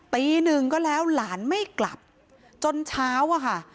ตีหนึ่งก็แล้วหลานไม่กลับจนเช้าอะค่ะ